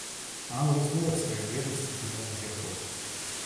Она ужаснулась своей бледности, взглянув в зеркало.